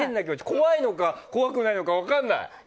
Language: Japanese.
怖いのか、怖くないのか分からない。